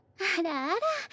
あらあら。